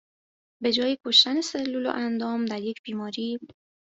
به جای کشتن سلول و اندام در یک بیماری